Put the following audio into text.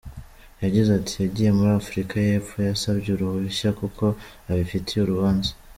Yagize ati “Yagiye muri Afurika y’Epfo, yasabye uruhushya kuko afiteyo urubanza.